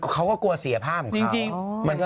เขาก็กลัวเสียภาพของเขา